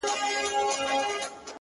o د سپینتمان د سردونو د یسنا لوري،